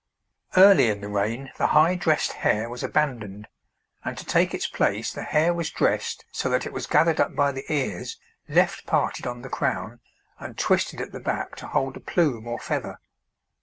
Early in the reign the high dressed hair was abandoned, and to take its place the hair was dressed so that it was gathered up by the ears, left parted on the crown, and twisted at the back to hold a plume or feather.